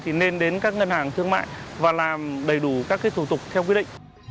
thì nên đến các ngân hàng thương mại và làm đầy đủ các cái thủ tục theo quyết định